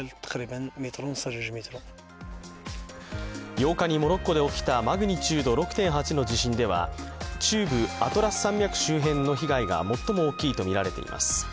８日にモロッコで起きたマグニチュード６．８の地震では中部アトラス山脈周辺の被害が最も大きいとみられています。